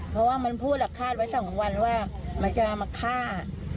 เพราะว่ามันพูดคาดไว้๒วันว่ามันจะมาฆ่า